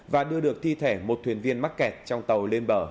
và đưa được thi thể một thuyền viên mắc kẹt trong tàu